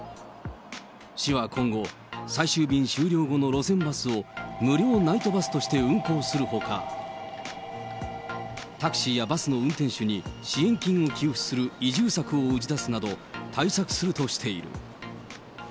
市は今後、最終便終了後の路線バスを、無料ナイトバスとして運行するほか、タクシーやバスの運転手に支援金を給付する移住策を打ち出すなど、対策するとしている。